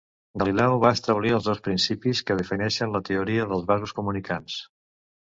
Galileu va establir els dos principis que defineixen la teoria dels vasos comunicants.